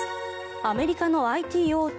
アメリカのＩＴ大手